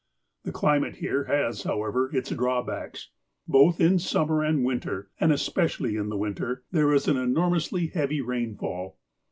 The climate here has, however, its drawbacks. Both in summer and winter, and especially in the winter, there is an enormously heavy rainfall.